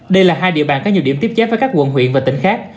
đây là hai địa bàn có nhiều điểm tiếp giáp với các quận huyện và tỉnh khác